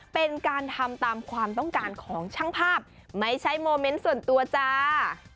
เป็นการทำตามความต้องการของช่างภาพไม่ใช่โมเมนต์ส่วนตัวจ้า